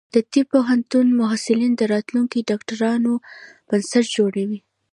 د طبی پوهنتون محصلین د راتلونکي ډاکټرانو بنسټ جوړوي.